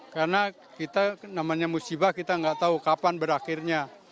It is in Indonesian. karena kita namanya musibah kita nggak tahu kapan berakhirnya